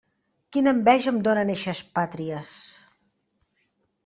Quina enveja em donen eixes pàtries!